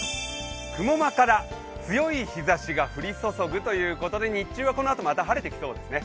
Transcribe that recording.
雲間から強い日ざしが降り注ぐということで日中はこのあとまた晴れてきそうですね。